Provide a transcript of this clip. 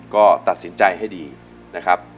ก็ตัดสินใจให้ดีนะครับ